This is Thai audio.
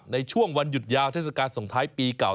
ในช่วงวันหยุดยาวเทศกาลส่งท้ายปีเก่า